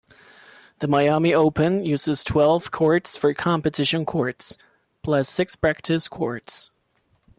The Miami Open uses twelve courts for competition courts, plus six practice courts.